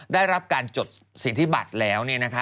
ได้รับการจดสิทธิบัตรแล้ว